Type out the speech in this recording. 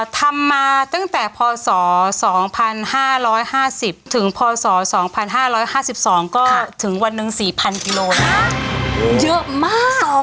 ทำมาตั้งแต่พศ๒๕๕๐ถึงพศ๒๕๕๒ก็ถึงวันหนึ่ง๔๐๐กิโลนะเยอะมาก